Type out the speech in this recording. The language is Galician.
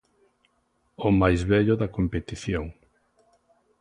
O máis vello da competición.